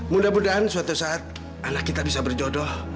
mudah mudahan suatu saat anak kita bisa berjodoh